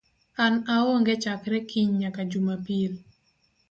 An aonge chakre kiny nyaka Jumapil